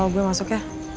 gue masuk ya